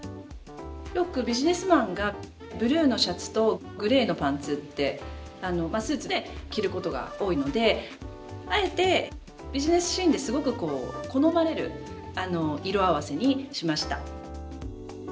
よくビジネスマンがブルーのシャツとグレーのパンツってまあスーツで着ることが多いのであえてビジネスシーンですごく好まれる色合わせにしました。